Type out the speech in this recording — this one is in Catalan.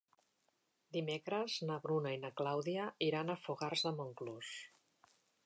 Dimecres na Bruna i na Clàudia iran a Fogars de Montclús.